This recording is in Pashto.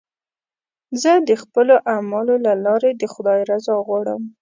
زه د خپلو اعمالو له لارې د خدای رضا غواړم.